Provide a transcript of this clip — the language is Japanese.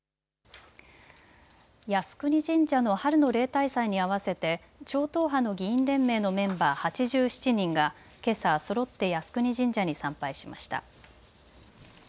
靖国神社の春の例大祭に合わせて超党派の議員連盟のメンバー８７人がけさ、そろって靖国神社に参拝しました。